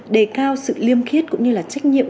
đề cao sự liêm khiết cũng như là trách nhiệm